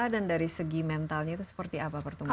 dan dari segi mentalnya itu seperti apa pertumbuhannya